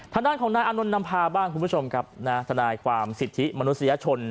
ทางด้านของนายอานนท์นำพาบ้างคุณผู้ชมครับทนายความสิทธิมนุษยชน